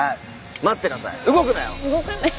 待ってなさい。